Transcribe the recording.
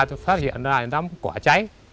tôi phát hiện ra nó có quả cháy